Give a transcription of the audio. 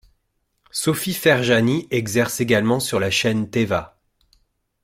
Sophie Ferjani exerce également sur la chaîne Téva.